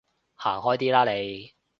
行開啲啦你